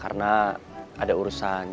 karena ada urusan